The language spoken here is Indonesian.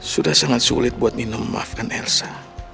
sudah sangat sulit buat nino memaafkan elsa